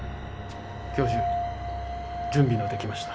教授準備のできました。